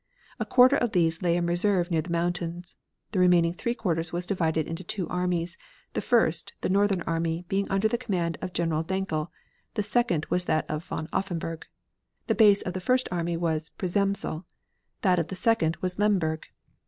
A quarter of these lay in reserve near the mountains; the remaining three quarters was divided into two armies; the first, the northern army, being under the command of General Dankl, the second was that of von Offenberg. The base of the first army was Przemysl; that of the second was Lemberg.